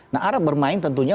nah arab bermain tentunya